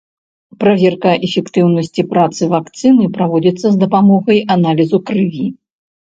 Праверка эфектыўнасці працы вакцыны праводзіцца з дапамогай аналізаў крыві.